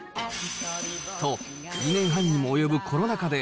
と、２年半にも及ぶコロナ禍で、